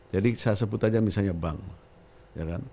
jadi saya sebut aja misalnya bank